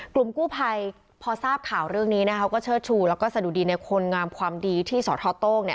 กลุ่มกู้ภัยพอทราบข่าวเรื่องนี้นะคะเขาก็เชิดชูแล้วก็สะดุดีในคนงามความดีที่สทโต้ง